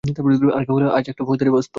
আর কেউ হলে আজ একটা ফৌজদারি বাধত।